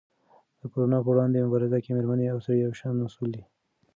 د کرونا په وړاندې مبارزه کې مېرمنې او سړي یو شان مسؤل دي.